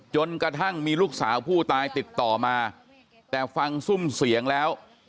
จนกระทั่งมีลูกสาวผู้ตายติดต่อมาแต่ฟังซุ่มเสียงแล้ว